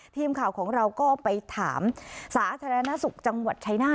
ทีมข่าวของเราก็ไปถามสาธารณสุขจังหวัดชัยนาธ